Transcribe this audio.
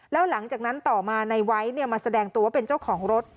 แล้วหลังจากนั้นต่อมาในไว้มาแสดงตัวเป็นเจ้าของรถ